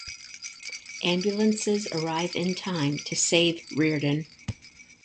Ambulances arrive in time to save Reardon.